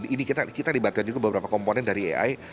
ini kita dibantuin juga beberapa komponen dari ai